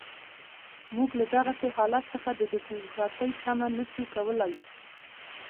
موږ له دغسې حالت څخه د ډیموکراسۍ تمه نه شو کولای.